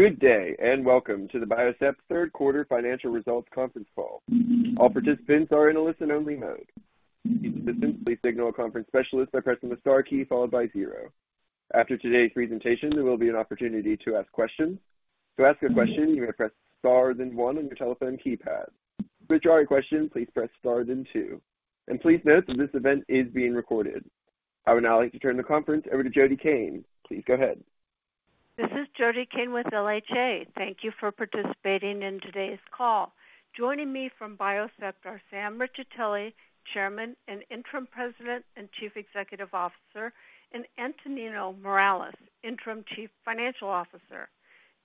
Good day, welcome to the Biocept third quarter financial results conference call. All participants are in a listen-only mode. To signal a conference specialist by pressing the star key followed by zero. After today's presentation, there will be an opportunity to ask questions. To ask a question, you may press star then one on your telephone keypad. To withdraw your question, please press star then two. Please note that this event is being recorded. I would now like to turn the conference over to Jody Cain. Please go ahead. This is Jody Cain with LHA. Thank you for participating in today's call. Joining me from Biocept are Sam Riccitelli, Chairman and Interim President and Chief Executive Officer, and Antonino Morales, Interim Chief Financial Officer.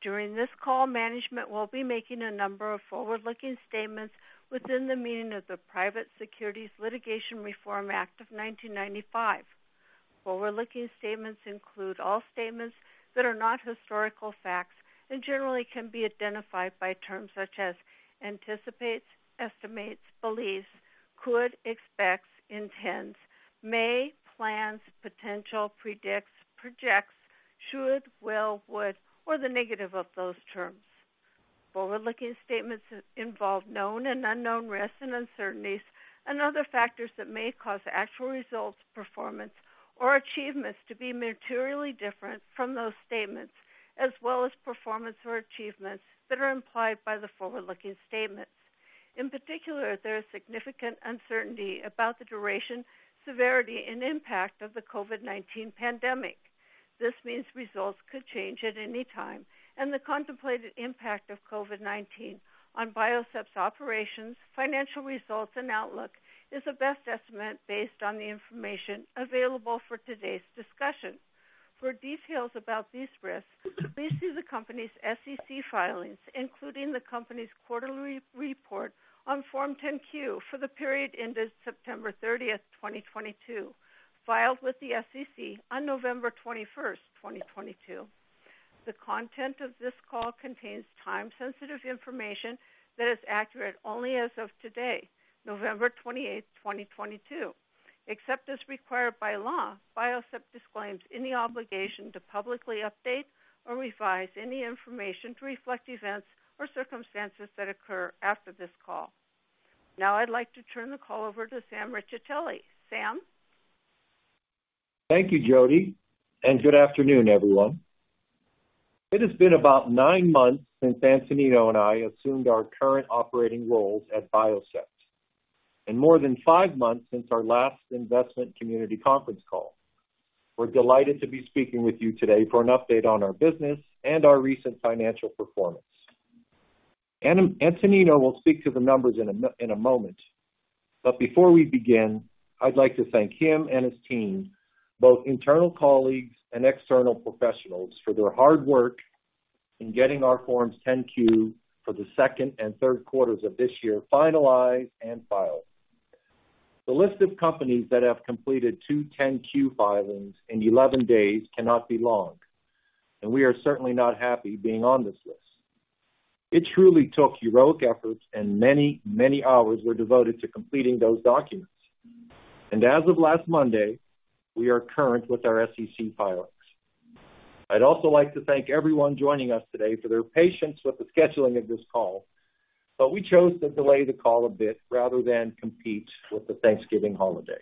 During this call, management will be making a number of forward-looking statements within the meaning of the Private Securities Litigation Reform Act of 1995. Forward-looking statements include all statements that are not historical facts and generally can be identified by terms such as anticipates, estimates, beliefs, could, expects, intends, may, plans, potential, predicts, projects, should, will, would, or the negative of those terms. Forward-looking statements involve known and unknown risks and uncertainties and other factors that may cause actual results, performance, or achievements to be materially different from those statements, as well as performance or achievements that are implied by the forward-looking statements. In particular, there is significant uncertainty about the duration, severity, and impact of the COVID-19 pandemic. This means results could change at any time, and the contemplated impact of COVID-19 on Biocept's operations, financial results, and outlook is a best estimate based on the information available for today's discussion. For details about these risks, please see the company's SEC filings, including the company's quarterly report on Form 10-Q for the period ended September 30th, 2022, filed with the SEC on November 21st, 2022. The content of this call contains time-sensitive information that is accurate only as of today, November 28th, 2022. Except as required by law, Biocept disclaims any obligation to publicly update or revise any information to reflect events or circumstances that occur after this call. Now I'd like to turn the call over to Sam Riccitelli. Sam? Thank you, Jody, and good afternoon, everyone. It has been about nine months since Antonino and I assumed our current operating roles at Biocept, and more than five months since our last investment community conference call. We're delighted to be speaking with you today for an update on our business and our recent financial performance. Antonino will speak to the numbers in a moment, but before we begin, I'd like to thank him and his team, both internal colleagues and external professionals, for their hard work in getting our forms 10-Q for the second and third quarters of this year finalized and filed. The list of companies that have completed two 10-Q filings in 11 days cannot be long, and we are certainly not happy being on this list. It truly took heroic efforts, and many hours were devoted to completing those documents. As of last Monday, we are current with our SEC filings. I'd also like to thank everyone joining us today for their patience with the scheduling of this call, but we chose to delay the call a bit rather than compete with the Thanksgiving holiday.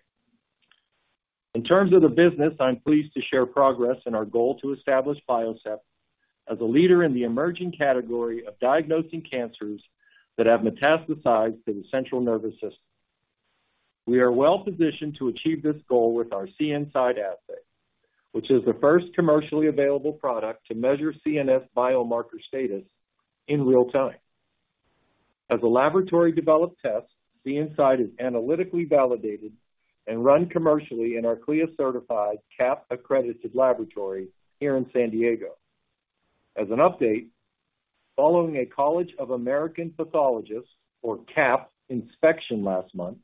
In terms of the business, I'm pleased to share progress in our goal to establish Biocept as a leader in the emerging category of diagnosing cancers that have metastasized to the central nervous system. We are well-positioned to achieve this goal with our CNSide assay, which is the first commercially available product to measure CNS biomarker status in real time. As a laboratory-developed test, CNSide is analytically validated and run commercially in our CLIA certified, CAP-accredited laboratory here in San Diego. As an update, following a College of American Pathologists or CAP inspection last month,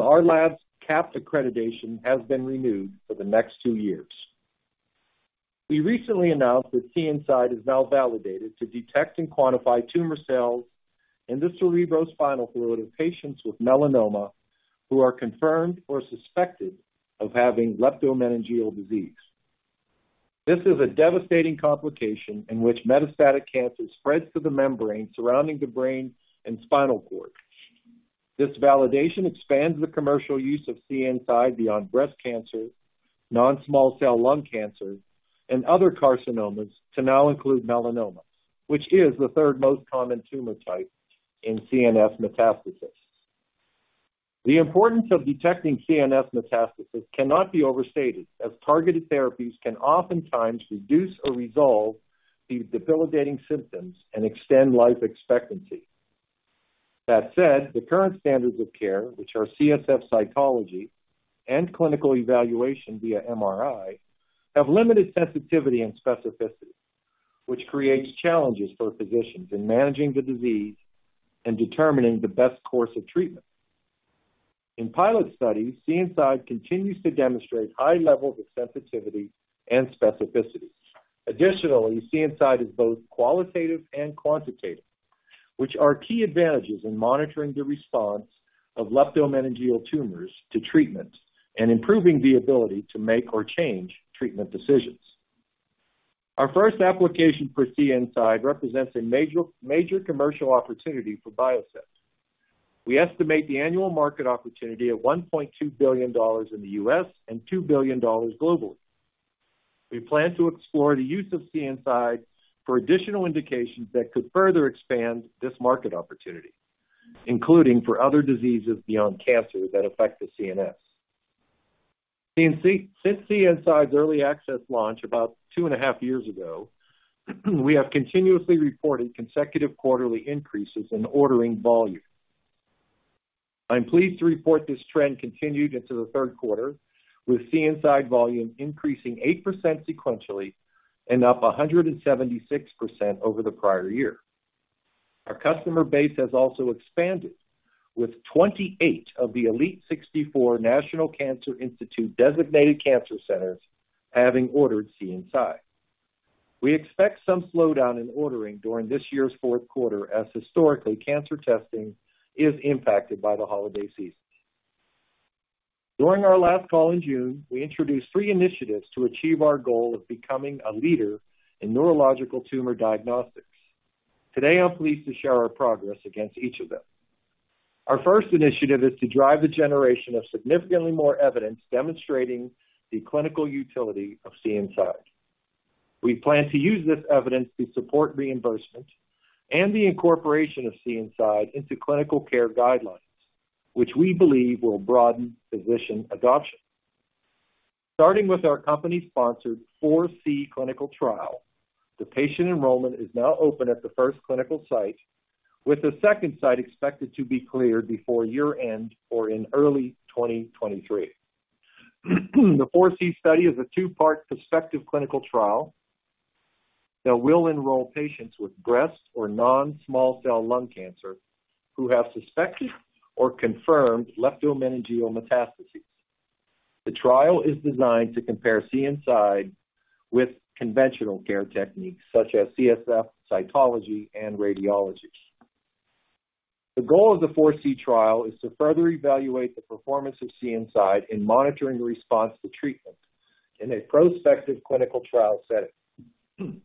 our lab's CAP accreditation has been renewed for the next two-years. We recently announced that CNSide is now validated to detect and quantify tumor cells in the cerebrospinal fluid of patients with melanoma who are confirmed or suspected of having leptomeningeal disease. This is a devastating complication in which metastatic cancer spreads to the membrane surrounding the brain and spinal cord. This validation expands the commercial use of CNSide beyond breast cancer, non-small cell lung cancer, and other carcinomas to now include melanoma, which is the third most common tumor type in CNS metastasis. The importance of detecting CNS metastasis cannot be overstated, as targeted therapies can oftentimes reduce or resolve these debilitating symptoms and extend life expectancy. That said, the current standards of care, which are CSF cytology and clinical evaluation via MRI, have limited sensitivity and specificity, which creates challenges for physicians in managing the disease and determining the best course of treatment. In pilot studies, CNSide continues to demonstrate high levels of sensitivity and specificity. CNSide is both qualitative and quantitative. Which are key advantages in monitoring the response of leptomeningeal tumors to treatment and improving the ability to make or change treatment decisions. Our first application for CNSide represents a major commercial opportunity for Biocept. We estimate the annual market opportunity at $1.2 billion in the U.S., and $2 billion globally. We plan to explore the use of CNSide for additional indications that could further expand this market opportunity, including for other diseases beyond cancer that affect the CNS. Since CNSide's early access launch about two and a half years ago, we have continuously reported consecutive quarterly increases in ordering volume. I'm pleased to report this trend continued into the third quarter, with CNSide volume increasing 8% sequentially and up 176% over the prior year. Our customer base has also expanded, with 28 of the elite 64 National Cancer Institute Designated Cancer Centers having ordered CNSide. We expect some slowdown in ordering during this year's fourth quarter, as historically, cancer testing is impacted by the holiday season. During our last call in June, we introduced three initiatives to achieve our goal of becoming a leader in neurological tumor diagnostics. Today, I'm pleased to share our progress against each of them. Our first initiative is to drive the generation of significantly more evidence demonstrating the clinical utility of CNSide. We plan to use this evidence to support reimbursement and the incorporation of CNSide into clinical care guidelines, which we believe will broaden physician adoption. Starting with our company-sponsored 4C clinical trial, the patient enrollment is now open at the first clinical site, with the second site expected to be cleared before year-end or in early 2023. The 4C study is a two-part prospective clinical trial that will enroll patients with breast or non-small cell lung cancer who have suspected or confirmed leptomeningeal metastases. The trial is designed to compare CNSide with conventional care techniques such as CSF, cytology, and radiology. The goal of the 4C trial is to further evaluate the performance of CNSide in monitoring the response to treatment in a prospective clinical trial setting.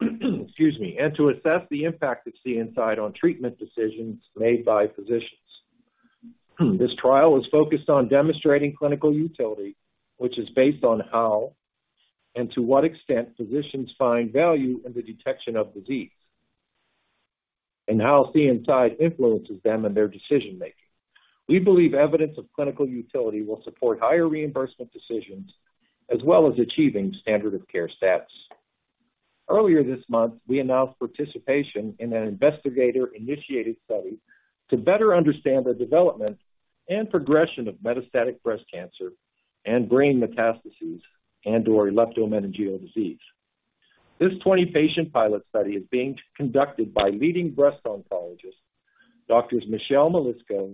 Excuse me. To assess the impact of CNSide on treatment decisions made by physicians. This trial is focused on demonstrating clinical utility, which is based on how and to what extent physicians find value in the detection of disease, and how CNSide influences them in their decision-making. We believe evidence of clinical utility will support higher reimbursement decisions, as well as achieving standard of care status. Earlier this month, we announced participation in an investigator-initiated study to better understand the development and progression of metastatic breast cancer and brain metastases and/or leptomeningeal disease. This 20-patient pilot study is being conducted by leading breast oncologist, Dr. Michelle Melisko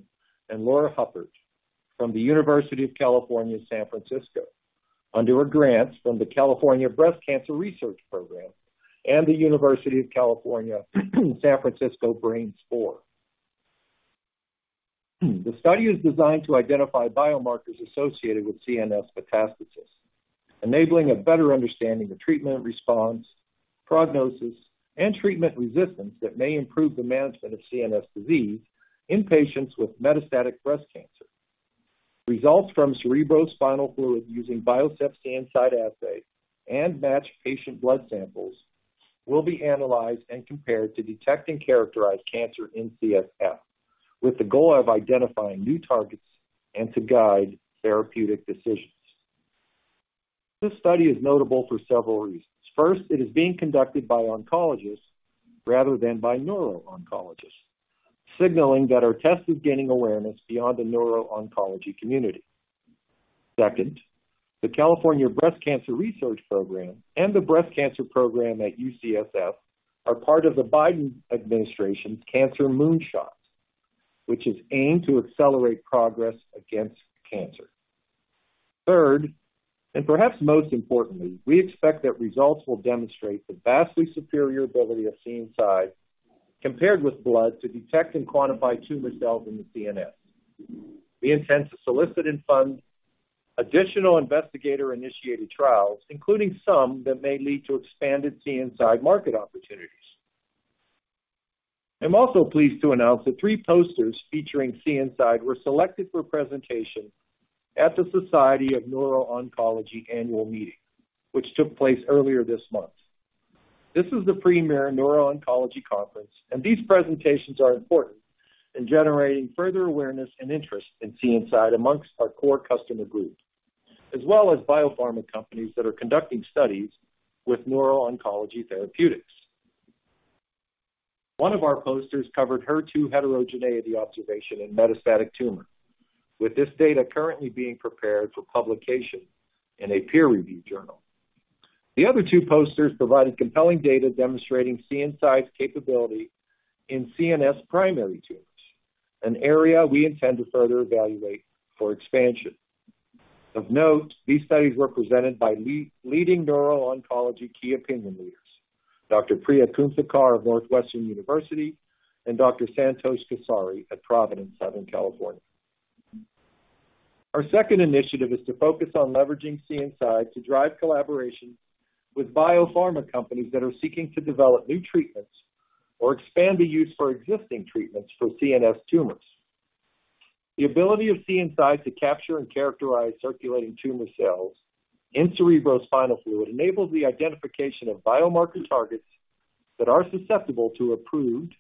and Dr. Laura Huppert from the University of California, San Francisco, under a grant from the California Breast Cancer Research Program and the University of California, San Francisco Brain Tumor SPORE. The study is designed to identify biomarkers associated with CNS metastasis, enabling a better understanding of treatment response, prognosis, and treatment resistance that may improve the management of CNS disease in patients with metastatic breast cancer. Results from cerebrospinal fluid using Biocept's CNSide assay and matched patient blood samples will be analyzed and compared to detect and characterize cancer in CSF, with the goal of identifying new targets and to guide therapeutic decisions. This study is notable for several reasons. First, it is being conducted by oncologists rather than by neuro-oncologists, signaling that our test is gaining awareness beyond the neuro-oncology community. Second, the California Breast Cancer Research Program and the breast cancer program at UCSF are part of the Biden administration's Cancer Moonshot, which is aimed to accelerate progress against cancer. Third, perhaps most importantly, we expect that results will demonstrate the vastly superior ability of CNSide compared with blood to detect and quantify tumor cells in the CNS. We intend to solicit and fund additional investigator-initiated trials, including some that may lead to expanded CNSide market opportunities. I'm also pleased to announce that three posters featuring CNSide were selected for presentation at the Society for Neuro-Oncology annual meeting, which took place earlier this month. This is the premier neuro-oncology conference, and these presentations are important in generating further awareness and interest in CNSide amongst our core customer group, as well as biopharma companies that are conducting studies with neuro-oncology therapeutics. One of our posters covered HER2 heterogeneity observation in metastatic tumor. With this data currently being prepared for publication in a peer-review journal. The other two posters provided compelling data demonstrating CNSide's capability in CNS primary tumors, an area we intend to further evaluate for expansion. Of note, these studies were presented by leading neuro-oncology key opinion leaders, Dr. Priya Kumthekar of Northwestern University and Dr. Santosh Kesari at Providence Southern California. Our second initiative is to focus on leveraging CNSide to drive collaboration with biopharma companies that are seeking to develop new treatments or expand the use for existing treatments for CNS tumors. The ability of CNSide to capture and characterize circulating tumor cells in cerebrospinal fluid enables the identification of biomarker targets that are susceptible to approved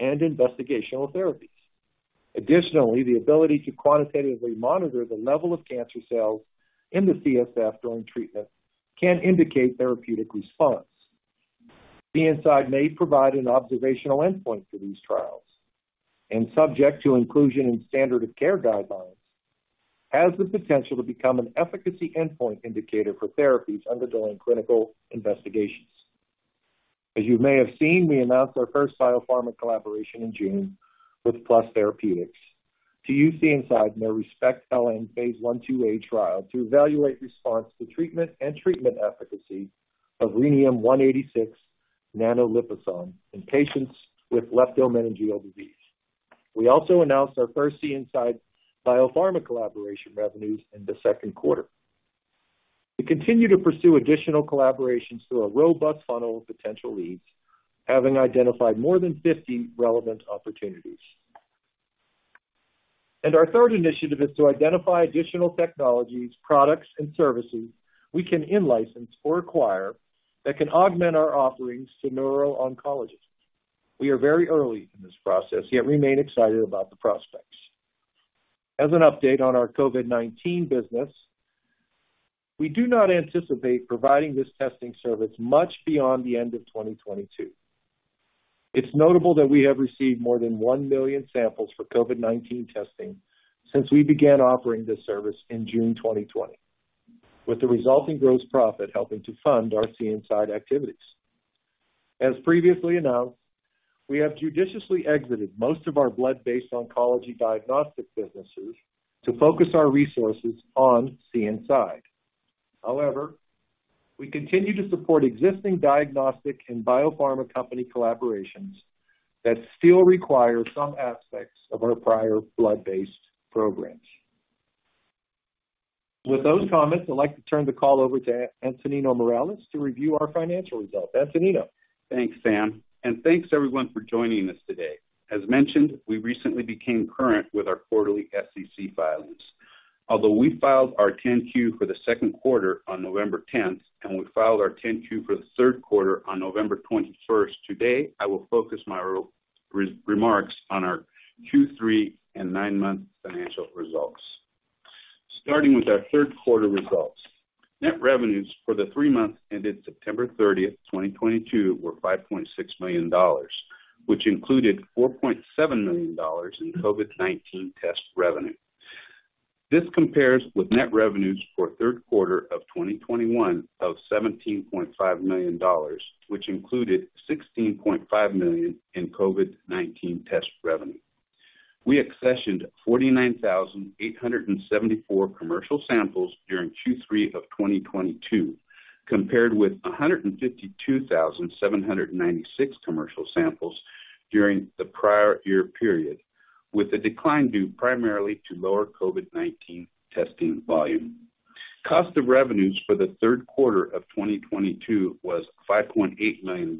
and investigational therapies. Additionally, the ability to quantitatively monitor the level of cancer cells in the CSF during treatment can indicate therapeutic response. CNSide may provide an observational endpoint for these trials, and subject to inclusion in standard of care guidelines, has the potential to become an efficacy endpoint indicator for therapies undergoing clinical investigations. As you may have seen, we announced our first biopharma collaboration in June with Plus Therapeutics to use CNSide in their ReSPECT-LM phase I/II-A trial to evaluate response to treatment and treatment efficacy of Rhenium-186 NanoLiposome in patients with leptomeningeal disease. We also announced our first CNSide biopharma collaboration revenues in the second quarter. We continue to pursue additional collaborations through a robust funnel of potential leads, having identified more than 50 relevant opportunities. Our third initiative is to identify additional technologies, products, and services we can in-license or acquire that can augment our offerings to neuro-oncologists. We are very early in this process, yet remain excited about the prospects. As an update on our COVID-19 business, we do not anticipate providing this testing service much beyond the end of 2022. It's notable that we have received more than 1 million samples for COVID-19 testing since we began offering this service in June 2020, with the resulting gross profit helping to fund our CNSide activities. As previously announced, we have judiciously exited most of our blood-based oncology diagnostic businesses to focus our resources on CNSide. However, we continue to support existing diagnostic and biopharma company collaborations that still require some aspects of our prior blood-based programs. With those comments, I'd like to turn the call over to Antonino Morales to review our financial results. Antonino. Thanks, Sam, and thanks, everyone, for joining us today. As mentioned, we recently became current with our quarterly SEC filings. Although we filed our 10-Q for the second quarter on November 10th, and we filed our 10-Q for the third quarter on November 21st, today I will focus my remarks on our Q3 and 9-month financial results. Starting with our third quarter results. Net revenues for the three months ended September 30th, 2022, were $5.6 million, which included $4.7 million in COVID-19 test revenue. This compares with net revenues for third quarter of 2021 of $17.5 million, which included $16.5 million in COVID-19 test revenue. We accessioned 49,874 commercial samples during Q3 of 2022, compared with 152,796 commercial samples during the prior year period, with the decline due primarily to lower COVID-19 testing volume. Cost of revenues for the third quarter of 2022 was $5.8 million,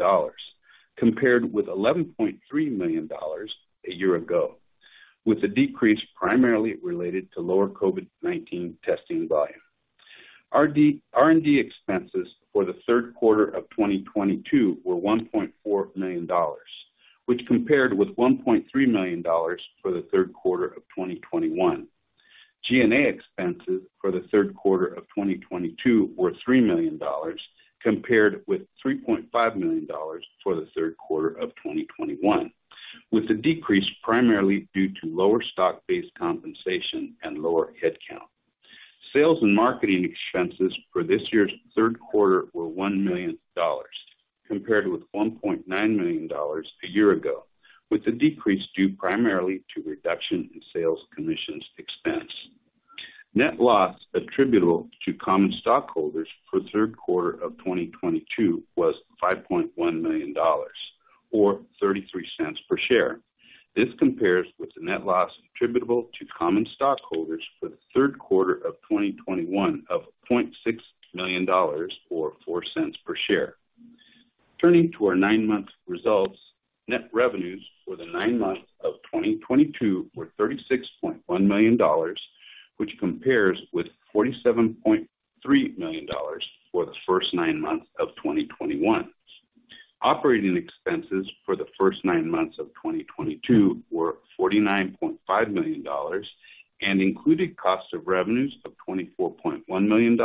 compared with $11.3 million a year ago, with the decrease primarily related to lower COVID-19 testing volume. R&D expenses for the third quarter of 2022 were $1.4 million, which compared with $1.3 million for the third quarter of 2021. G&A expenses for the third quarter of 2022 were $3 million compared with $3.5 million for the third quarter of 2021, with the decrease primarily due to lower stock-based compensation and lower headcount. Sales and marketing expenses for this year's third quarter were $1 million compared with $1.9 million a year ago, with the decrease due primarily to reduction in sales commissions expense. Net loss attributable to common stockholders for the third quarter of 2022 was $5.1 million or $0.33 per share. This compares with the net loss attributable to common stockholders for the third quarter of 2021 of $0.6 million or $0.04 per share. Turning to our nine-month results. Net revenues for the nine months of 2022 were $36.1 million, which compares with $47.3 million for the first nine months of 2021. Operating expenses for the first nine months of 2022 were $49.5 million and included cost of revenues of $24.1 million,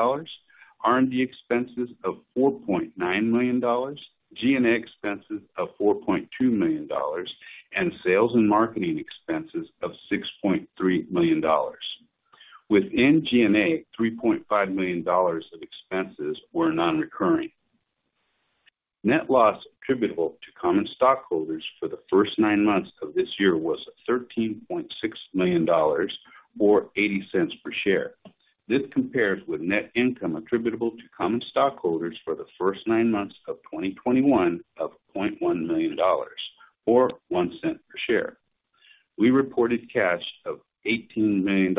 R&D expenses of $4.9 million, G&A expenses of $4.2 million, and sales and marketing expenses of $6.3 million. Within G&A, $3.5 million of expenses were non-recurring. Net loss attributable to common stockholders for the first nine months of this year was $13.6 million, or $0.80 per share. This compares with net income attributable to common stockholders for the first nine months of 2021 of $0.1 million or $0.01 per share. We reported cash of $18 million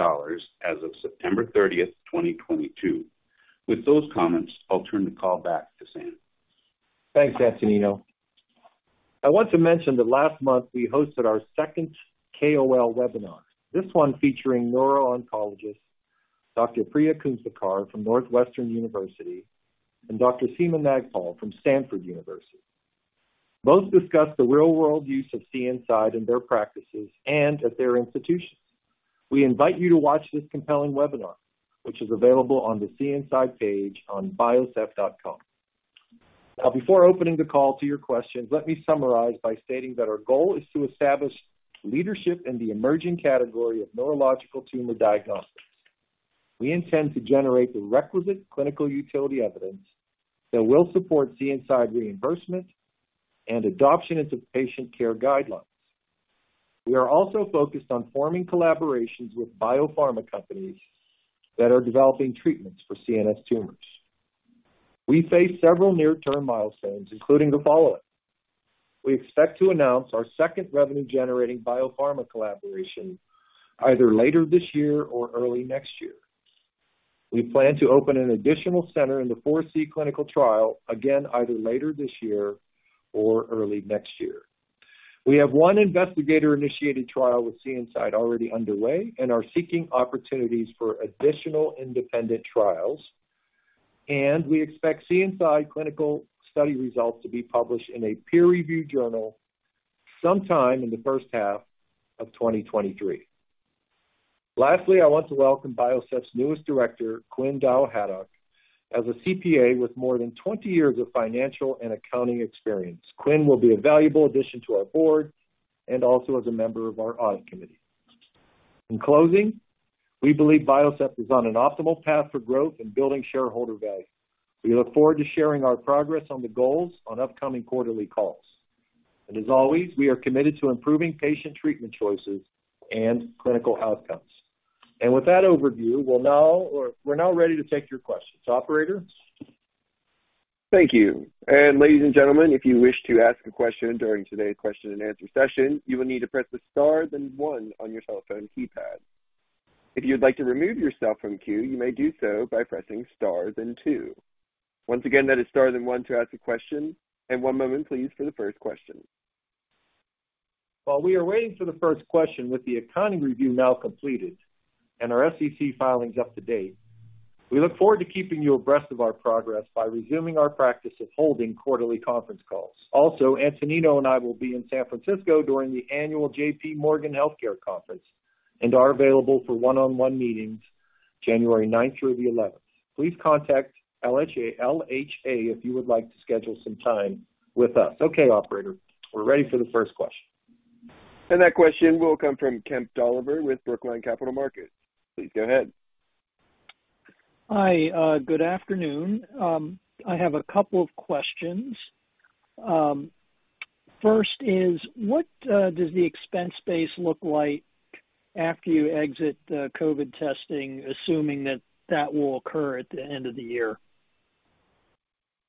as of September 30th, 2022. With those comments, I'll turn the call back to Sam Riccitelli. Thanks, Antonino. I want to mention that last month we hosted our second KOL webinar, this one featuring neuro-oncologist Dr. Priya Kumthekar from Northwestern University and Dr. Seema Nagpal from Stanford University. Both discussed the real-world use of CNSide in their practices and at their institutions. We invite you to watch this compelling webinar, which is available on the CNSide page on biocept.com. Now, before opening the call to your questions, let me summarize by stating that our goal is to establish leadership in the emerging category of neurological tumor diagnostics. We intend to generate the requisite clinical utility evidence that will support CNSide reimbursement and adoption into patient care guidelines. We are also focused on forming collaborations with biopharma companies that are developing treatments for CNS tumors. We face several near-term milestones, including the following. We expect to announce our second revenue-generating biopharma collaboration either later this year or early next year. We plan to open an additional center in the 4C clinical trial again, either later this year or early next year. We have one investigator-initiated trial with CNSide already underway and are seeking opportunities for additional independent trials. We expect CNSide clinical study results to be published in a peer-reviewed journal sometime in the first half of 2023. Lastly, I want to welcome Biocept's newest Director, Quyen Dao-Haddock. As a CPA with more than 20 years of financial and accounting experience, Quinn will be a valuable addition to our board and also as a member of our audit committee. In closing, we believe Biocept is on an optimal path for growth and building shareholder value. We look forward to sharing our progress on the goals on upcoming quarterly calls. As always, we are committed to improving patient treatment choices and clinical outcomes. With that overview, we're now ready to take your questions. Operator? Thank you. Ladies and gentlemen, if you wish to ask a question during today's question and answer session, you will need to press star then one on your cellphone keypad. If you'd like to remove yourself from queue, you may do so by pressing star then two. Once again, that is star then one to ask a question. One moment please for the first question. While we are waiting for the first question, with the economy review now completed and our SEC filings up to date, we look forward to keeping you abreast of our progress by resuming our practice of holding quarterly conference calls. Also, Antonino and I will be in San Francisco during the annual J.P. Morgan Healthcare Conference and are available for one-on-one meetings January ninth through the 11th. Please contact LHA if you would like to schedule some time with us. Okay, operator, we're ready for the first question. That question will come from Kemp Dolliver with Brookline Capital Markets. Please go ahead. Hi, good afternoon. I have a couple of questions. First is, what does the expense base look like after you exit the COVID testing, assuming that that will occur at the end of the year?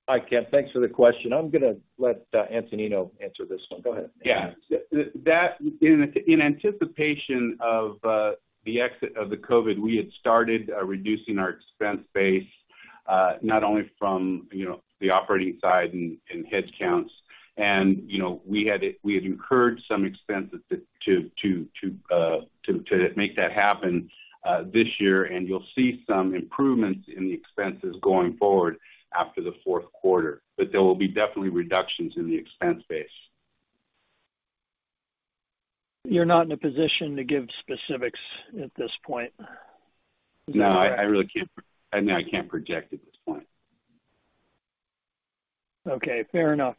Hi, Kemp. Thanks for the question. I'm gonna let Antonino answer this one. Go ahead. Yeah. In anticipation of the exit of the COVID, we had started reducing our expense base, not only from, you know, the operating side and headcounts and, you know, we had incurred some expenses to make that happen this year. You'll see some improvements in the expenses going forward after the fourth quarter. There will be definitely reductions in the expense base. You're not in a position to give specifics at this point? No, I really can't, I mean, I can't project at this point. Okay, fair enough.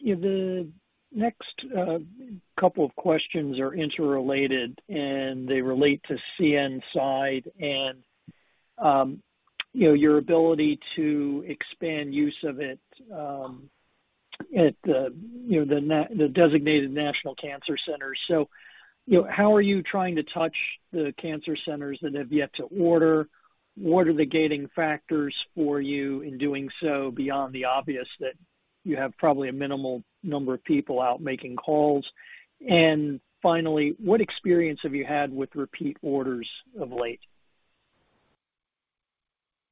The next couple of questions are interrelated, and they relate to CNSide and, you know, your ability to expand use of it, at the, you know, the designated national cancer centers. You know, how are you trying to touch the cancer centers that have yet to order? What are the gating factors for you in doing so, beyond the obvious that you have probably a minimal number of people out making calls? Finally, what experience have you had with repeat orders of late?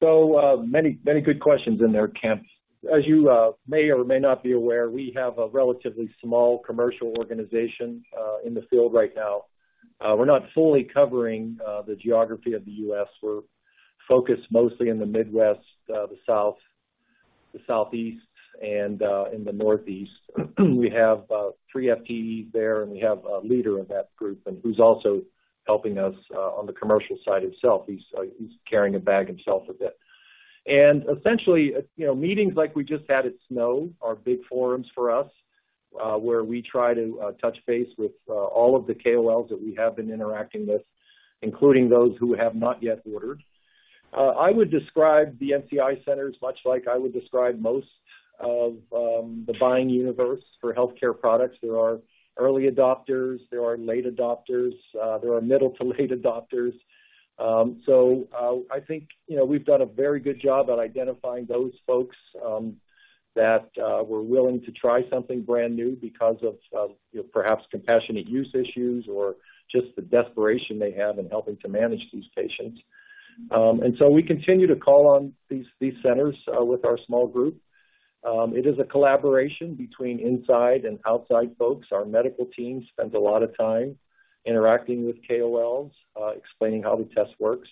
Many, many good questions in there, Kemp. As you may or may not be aware, we have a relatively small commercial organization in the field right now. We're not fully covering the geography of the U.S., We're focused mostly in the Midwest, the South, the Southeast, and in the Northeast. We have three FTEs there, and we have a leader of that group, and who's also helping us on the commercial side himself. He's carrying a bag himself a bit. Essentially, you know, meetings like we just had at SNO are big forums for us, where we try to touch base with all of the KOLs that we have been interacting with, including those who have not yet ordered. I would describe the NCI centers much like I would describe most of the buying universe for healthcare products. There are early adopters, there are late adopters, there are middle to late adopters. I think, you know, we've done a very good job at identifying those folks that were willing to try something brand new because of, you know, perhaps compassionate use issues or just the desperation they have in helping to manage these patients. We continue to call on these centers with our small group. It is a collaboration between inside and outside folks. Our medical team spends a lot of time interacting with KOLs, explaining how the test works,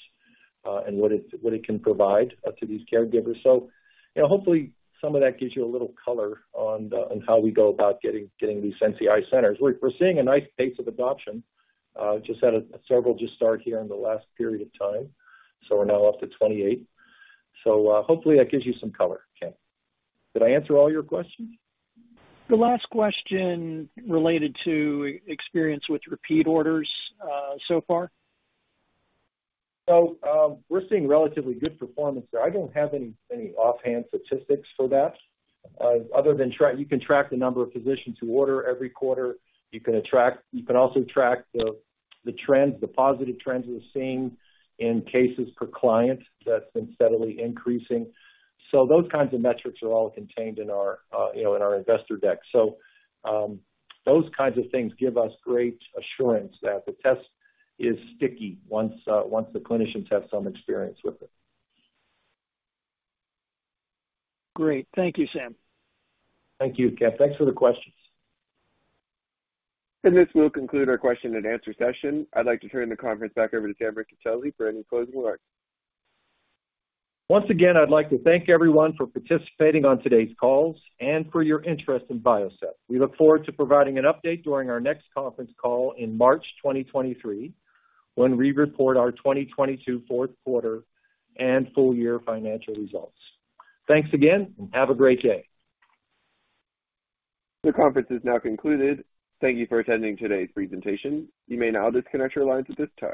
and what it can provide to these caregivers. You know, hopefully, some of that gives you a little color on how we go about getting these NCI centers. We're seeing a nice pace of adoption. Just had several just start here in the last period of time, so we're now up to 28. Hopefully, that gives you some color, Kemp. Did I answer all your questions? The last question related to e-experience with repeat orders, so far. We're seeing relatively good performance there. I don't have any offhand statistics for that other than You can track the number of physicians who order every quarter. You can also track the trends, the positive trends we're seeing in cases per client that's been steadily increasing. Those kinds of metrics are all contained in our, you know, in our investor deck. Those kinds of things give us great assurance that the test is sticky once once the clinicians have some experience with it. Great. Thank you, Sam. Thank you, Kemp. Thanks for the questions. This will conclude our question and answer session. I'd like to turn the conference back over to Sam Riccitelli for any closing remarks. Once again, I'd like to thank everyone for participating on today's calls and for your interest in Biocept. We look forward to providing an update during our next conference call in March 2023, when we report our 2022 fourth quarter and full year financial results. Thanks again, and have a great day. The conference is now concluded. Thank you for attending today's presentation. You may now disconnect your lines at this time.